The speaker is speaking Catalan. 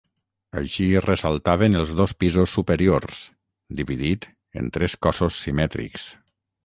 Així ressaltaven els dos pisos superiors, dividit en tres cossos simètrics.